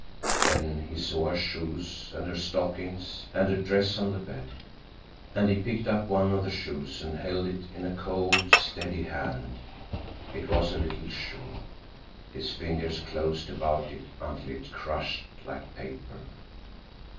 Then he saw her shoes and her stockings, and a dress on the bed, and he picked up one of the shoes and held it in a cold, steady hand. It was a little shoe. His fingers closed about it until it crushed like paper.